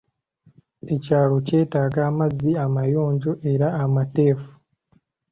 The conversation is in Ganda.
Ekyalo kyetaaga amazzi amayonjo era amateefu.